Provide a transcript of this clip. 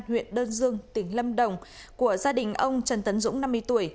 huyện đơn dương tỉnh lâm đồng của gia đình ông trần tấn dũng năm mươi tuổi